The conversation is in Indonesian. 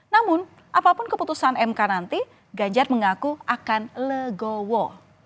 namun apapun keputusan mk nanti ganjar mengaku akan legowo